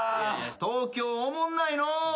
東京おもんないのう。